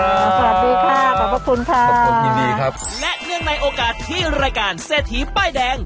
สวัสดีค่ะขอบพระคุณค่ะขอบคุณยินดีครับและเนื่องในโอกาสที่รายการเศรษฐีป้ายแดง